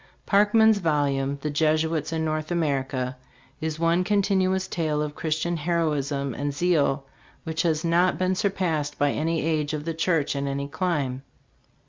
Park man's volume, "The Jesuits in North America," is one continuous tale of Christian heroism and zeal, which has not been surpassed by any age of the church in any clime.